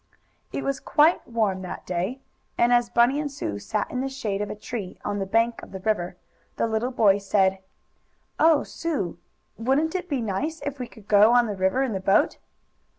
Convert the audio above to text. It was quite warm that day, and, as Bunny and Sue sat in the shade of a tree on the bank of the river, the little boy said: "Oh, Sue, wouldn't it be nice if we could go on the river in the boat?"